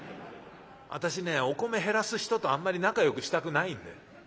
私ねお米減らす人とあんまり仲よくしたくないんで」。